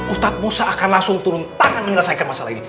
ustadz musa akan langsung turun tangan menyelesaikan masalah ini